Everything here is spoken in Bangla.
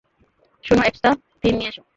শোনো, এক্সট্রা থিন নিয়ে এসো।